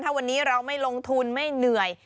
ถ้าวันนี้เราไม่ลงทุนไม่เหนื่อย